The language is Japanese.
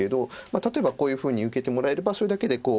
例えばこういうふうに受けてもらえればそれだけでこう。